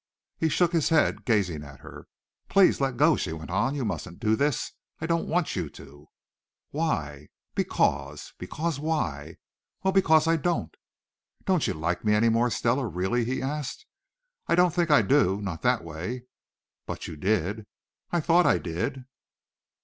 He shook his head, gazing at her. "Please let go," she went on. "You mustn't do this. I don't want you to." "Why?" "Because." "Because why?" "Well, because I don't." "Don't you like me any more, Stella, really?" he asked. "I don't think I do, not that way." "But you did." "I thought I did."